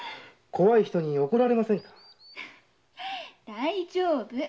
大丈夫。